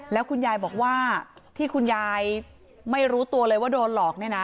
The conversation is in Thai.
แล้วคุณยายบอกว่าที่คุณยายไม่รู้ตัวเลยว่าโดนหลอกเนี่ยนะ